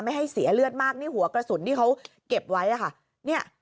ไม่ให้เสียเลือดมากนี่หัวกระสุนที่เขาเก็บไว้ค่ะเนี่ย